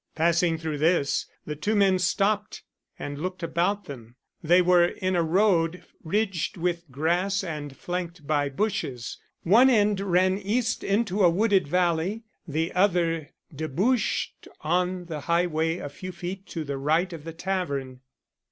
Passing through this, the two men stopped and looked about them. They were in a road ridged with grass and flanked by bushes. One end ran east into a wooded valley, the other debouched on the highway a few feet to the right of the tavern.